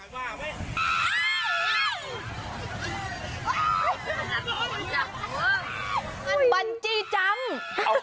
มันบันทรี่จำ